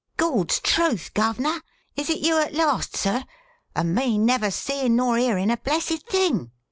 "Gawd's truth, guv'ner, is it you at last, sir? And me never seein' nor hearin' a blessed thing!"